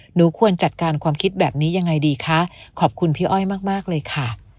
หนูควรจัดการความคิดแบบนี้ยังไงดีคะขอบคุณพี่อ้อยมากเลยค่ะ